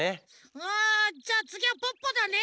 あじゃあつぎはポッポだね。